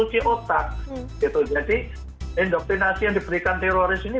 jadi indoktrinasi yang diberikan teroris ini